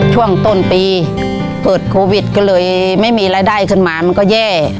ช่วงต้นปีเกิดโควิดก็เลยไม่มีรายได้ขึ้นมามันก็แย่